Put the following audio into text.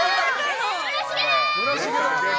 村重です！